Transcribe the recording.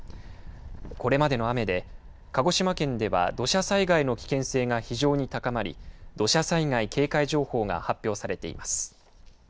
これまでの雨で鹿児島県では土砂災害の危険性が非常に高まり土砂災害警戒情報が発表されています。